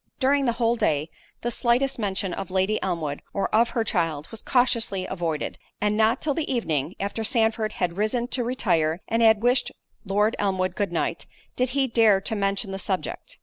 During the whole day, the slightest mention of Lady Elmwood, or of her child, was cautiously avoided—and not till the evening, (after Sandford had risen to retire, and had wished Lord Elmwood good night) did he dare to mention the subject.